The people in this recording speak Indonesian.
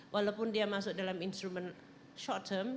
walaupun dia masuk dalam instrument short term